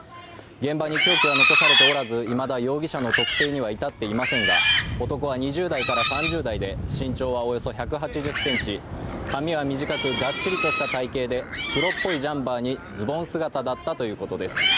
現場に凶器は残されておらず、いまだ容疑者の特定には至っていませんが、男は２０３０代で、身長はおよそ１８０ｃｍ髪は短くがっちりとした体形で黒っぽいジャンパーにズボン姿だったということです。